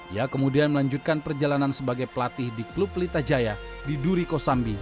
ia kemudian melanjutkan perjalanan sebagai pelatih di klub litajaya di duri kosambi cajang